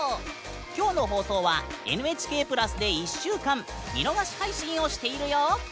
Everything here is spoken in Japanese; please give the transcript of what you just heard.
今日の放送は「ＮＨＫプラス」で１週間見逃し配信をしているよ！